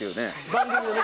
番組のね